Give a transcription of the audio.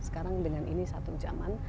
sekarang dengan ini satu zaman